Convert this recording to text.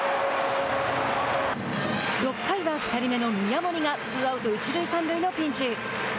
６回は２人目の宮森がツーアウト、一塁三塁のピンチ。